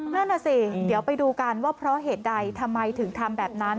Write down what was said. นั่นน่ะสิเดี๋ยวไปดูกันว่าเพราะเหตุใดทำไมถึงทำแบบนั้น